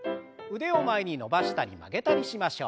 腕を前に伸ばしたり曲げたりしましょう。